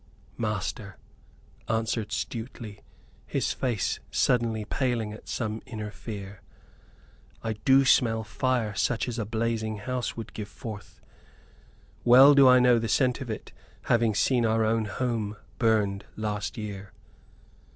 "Master," answered Stuteley, his face suddenly paling at some inner fear, "I do smell fire such as a blazing house would give forth. Well do I know the scent of it; having seen our own home burned last year."